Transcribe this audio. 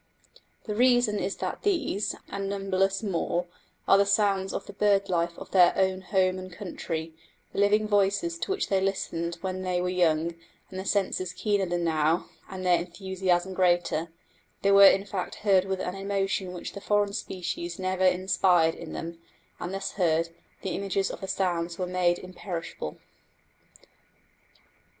The reason is that these, and numberless more, are the sounds of the bird life of their own home and country; the living voices to which they listened when they were young and the senses keener than now, and their enthusiasm greater; they were in fact heard with an emotion which the foreign species never inspired in them, and thus heard, the images of the sounds were made imperishable.